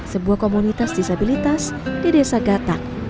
sebuah komunitas disabilitas di desa gatak